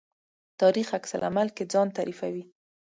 تاریخ عکس العمل کې ځان تعریفوي.